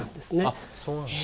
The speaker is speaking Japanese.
あそうなんだ。